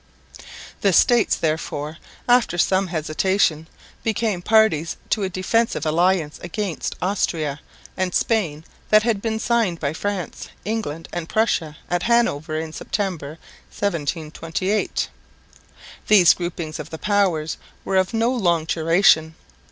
The States therefore, after some hesitation, became parties to a defensive alliance against Austria and Spain that had been signed by France, England and Prussia at Hanover in September, 1728. These groupings of the powers were of no long duration.